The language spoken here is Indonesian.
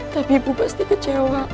tapi ibu pasti kecewa